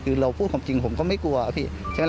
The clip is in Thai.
คือเราพูดความจริงผมก็ไม่กลัว